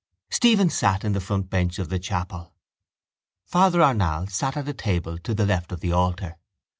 Stephen sat in the front bench of the chapel. Father Arnall sat at a table to the left of the altar.